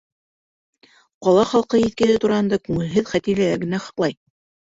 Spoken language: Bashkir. Ҡала халҡы иҫкеһе тураһында күңелһеҙ хәтирәләр генә һаҡлай.